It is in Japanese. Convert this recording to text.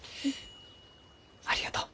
ありがとう。